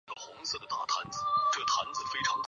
默耶人口变化图示